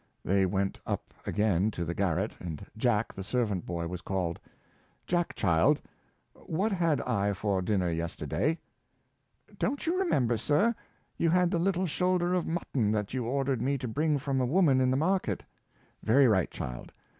They went up again to the garret, and Jack, the servant boy, was called. "Jack, child, what Buxton, 291 had I for dinner yesterday? "" Don't you remember, sir? you had the Httle shoulder of mutton that you or dered me to bring from a woman in the market.'' '•' Very right, child.